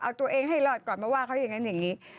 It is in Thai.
เอาตัวเองให้รอดก่อนมาว่าเขาอย่างนั้นอย่างนี้